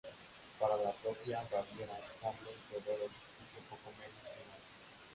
Para la propia Baviera Carlos Teodoro hizo poco menos que nada.